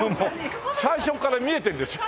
最初から見えてるんですよ。